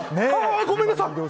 ごめんなさい！